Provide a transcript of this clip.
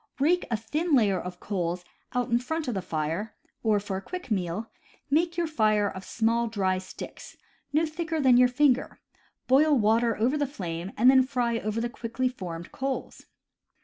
„. Rake a thin layer of coals out in front of the fire; or, for a quick meal, make your fire of small dry sticks, no thicker than your fin ger, boil water over the flame, and then fry over the quickly formed coals.